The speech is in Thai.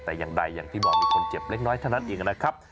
แต่อย่างใดอย่างที่บอกมีคนเจ็บเล็กน้อยเท่านั้นเองนะครับ